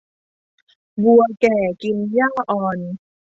วัวแก่กินหญ้าอ่อน